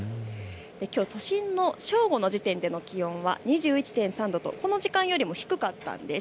きょう都心の正午の時点の気温は２１．３度、この時間よりも低かったんです。